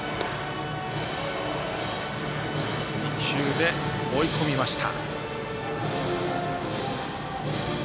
２球で追い込みました。